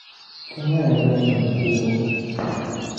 Ti nyɛla ban yɛn gu o.